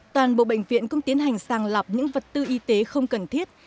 toàn bộ bệnh viện cũng tiến hành sàng lọc những vật tư y tế không cần thiết